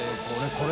これ。